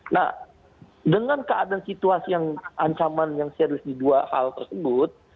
nah dengan keadaan situasi yang ancaman yang serius di dua hal tersebut